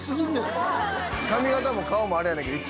髪形も顔もあれやねんけど。